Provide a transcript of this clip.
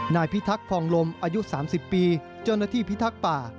นายพิทักษ์พองลมอายุสามสิบปีเจ้นนาธิพิทักษ์ป่า